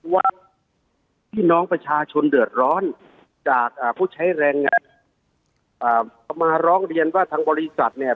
ว่าพี่น้องประชาชนเดือดร้อนจากผู้ใช้แรงเอามาร้องเรียนว่าทางบริษัทเนี่ย